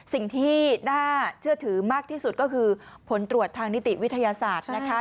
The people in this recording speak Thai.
สิ่งที่น่าเชื่อถือมากที่สุดก็คือผลตรวจทางนิติวิทยาศาสตร์นะคะ